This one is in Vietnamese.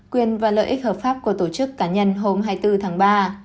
quyền và lợi ích hợp pháp của tổ chức cá nhân hôm hai mươi bốn tháng ba